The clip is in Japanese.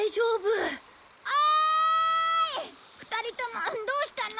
２人ともどうしたの一体。